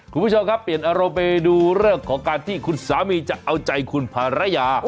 คุณผู้ชมครับเปลี่ยนอารมณ์ไปดูเรื่องของการที่คุณสามีจะเอาใจคุณภรรยา